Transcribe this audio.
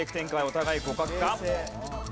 お互い互角か？